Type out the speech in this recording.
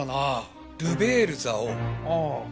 ああ。